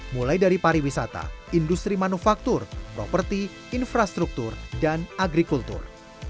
mulai dari pariwisata industri manufaktur properti infrastruktur dan agrikultur